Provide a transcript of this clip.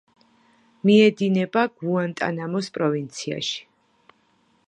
მიედინება გუანტანამოს პროვინციაში.